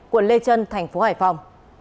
quận lê trân tp hải phòng